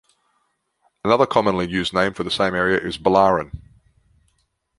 Another commonly used name for the same area is Bullaren.